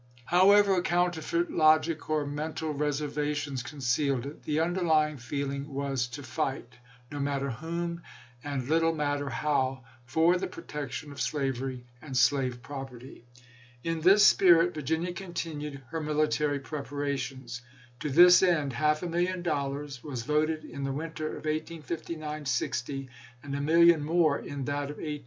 However counterfeit logic or mental reservations concealed it, the underlying feeling was to fight, no matter whom, and little matter how, for the pro tection of slavery and slave property. In this spirit Virginia continued her military preparations. To this end half a million dollars was voted in the winter of 1859 60, and a million more in that of 1860 61.